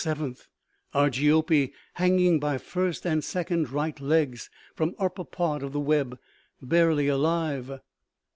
7; Argiope hanging by first and second right legs, from upper part of web; barely alive.